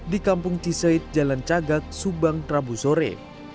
di kampung cisoit jalan cagak subang trabusore